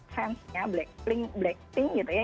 fansnya blackpink gitu ya